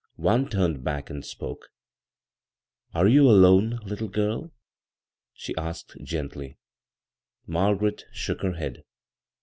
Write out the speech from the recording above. One turned back and spoke. " Are you alone, little prl ?' she asked gently. Margaret shook her head.